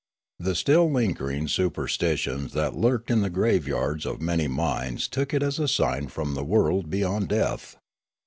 The still lingering superstitions that lurked in the graveyards of many minds took it as a sign from the world beyond death.